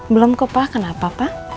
belum kok pak kenapa pak